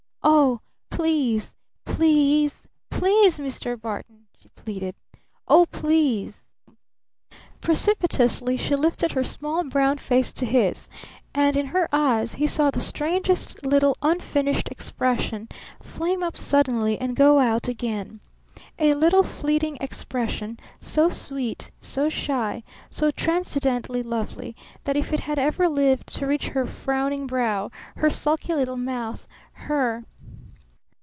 Oh, please please please, Mr. Barton!" she pleaded. "Oh, please!" Precipitously she lifted her small brown face to his, and in her eyes he saw the strangest little unfinished expression flame up suddenly and go out again, a little fleeting expression so sweet, so shy, so transcendently lovely, that if it had ever lived to reach her frowning brow, her sulky little mouth, her